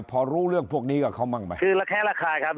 พอรู้เรื่องพวกนี้กับเขาบ้างไหมคือระแคะระคายครับ